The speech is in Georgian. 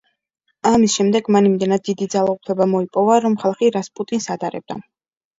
ამის შემდეგ მან იმდენად დიდი ძალაუფლება მოიპოვა, რომ ხალხი რასპუტინს ადარებდა.